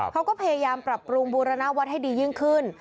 เขาก็พยายามปรับปรุงบูรณวัฒน์ให้ดียิ่งขึ้น